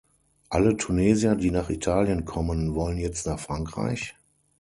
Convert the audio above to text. Alle Tunesier, die nach Italien kommen, wollen jetzt nach Frankreich?